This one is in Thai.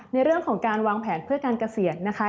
ในเรื่องของการวางแผนเพื่อการเกษียณนะคะ